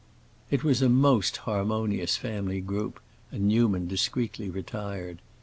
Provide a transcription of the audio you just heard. It was a most harmonious family group, and Newman discreetly retired.